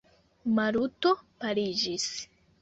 Maluto paliĝis.